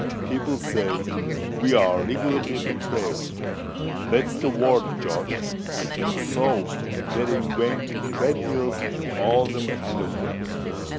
People say we're reglarly depraved—that's the word, Josh—and so they invent treadmills and all them kind of things.